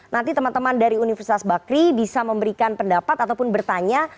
nanti teman teman dari universitas bakri bisa memberikan pendapat ataupun bertanya